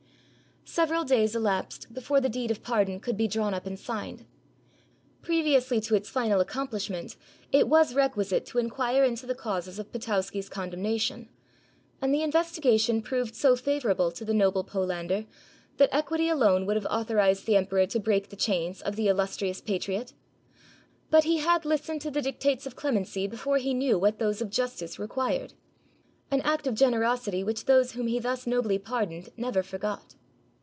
... Several days elapsed before the deed of pardon could be drawn up and signed. Previously to its final accom plishment it was requisite to inquire into the causes of Potowsky 's condemnation; and the investigation proved so favorable to the noble Polander that equity alone would have authorized the emperor to break the chains of the illustrious patriot. But he had listened to the dictates of clemency before he knew what those of jus tice required; an act of generosity which those whom he thus nobly pardoned never forgot.